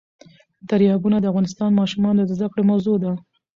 دریابونه د افغان ماشومانو د زده کړې موضوع ده.